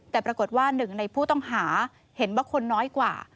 แต่ปรากฏว่าหนึ่งในผู้ต้องหาเห็นว่าคนน้อยกว่า